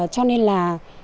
cho nên là